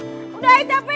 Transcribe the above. udah aja capek deh ah